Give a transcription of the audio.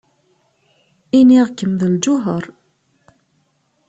Iniɣ-kem d lǧuher.